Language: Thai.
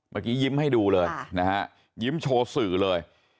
เมื่อกี้ยิ้มให้ดูเลยนะฮะยิ้มโชว์สื่อเลย